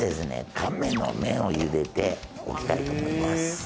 乾麺の麺をゆでておきたいと思います